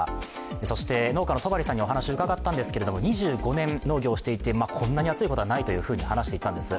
そして農家の戸張さんにお話を伺ったんですが２５年、農家をしていてこんなに暑いことはないと話していたんです。